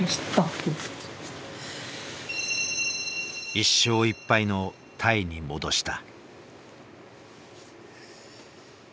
１勝１敗のタイに戻した。